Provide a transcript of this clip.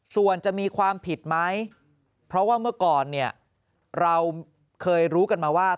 ส่วนจะมีความผิดไหมเพราะว่าเมื่อก่อนเนี่ยเราเคยรู้กันมาว่า